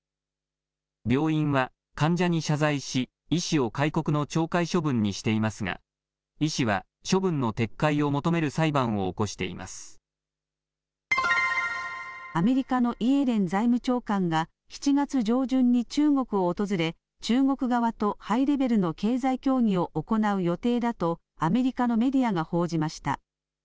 病院は、患者に謝罪し、医師を戒告の懲戒処分にしていますが、医師は、処分の撤回を求める裁判を起こしていまアメリカのイエレン財務長官が、７月上旬に中国を訪れ、中国側とハイレベルの経済協議を行う予定だとアメリカのメディアが報じました。